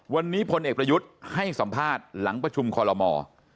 วันนี้พลเอกประยุทธ์ให้สัมภาษณ์หลังประชุมคอลโลมอร์